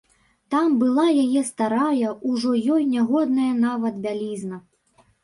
Там была яе старая, ужо ёй нягодная нават, бялізна.